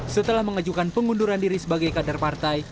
setelah mengajukan pengunduran diri sebagai kader partai